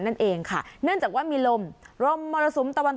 โดยการติดต่อไปก็จะเกิดขึ้นการติดต่อไป